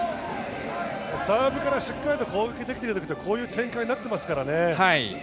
サーブからしっかりと攻撃できるっていうときってこういう展開になっていますからね。